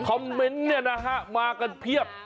คำเม้นต์นี่นะคะมากันเพียบ